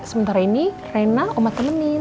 sementara ini rena oma temenin